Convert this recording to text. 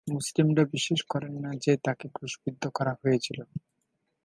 মুসলিমরা বিশ্বাস করেন না যে, তাঁকে ক্রুশবিদ্ধ করা হয়েছিল।